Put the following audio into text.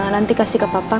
nanti kasih ke papa